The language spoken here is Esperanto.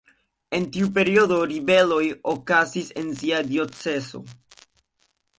En tiu periodo ribeloj okazis en sia diocezo.